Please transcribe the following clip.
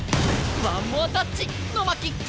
ワンモアタッチの巻！